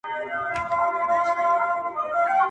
د لرګیو یې پر وکړله وارونه!!